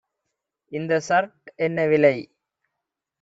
இந்த சர்ட் என்ன விலை?